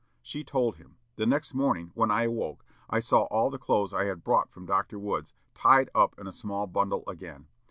She told him. The next morning, when I awoke, I saw all the clothes I had brought from Dr. Wood's tied up in a small bundle again.